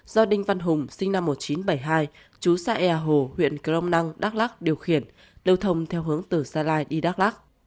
do đinh văn hùng sinh năm một nghìn chín trăm bảy mươi hai chú xa e hồ huyện crom năng đắk lắc điều khiển lưu thông theo hướng từ gia lai đi đắk lắc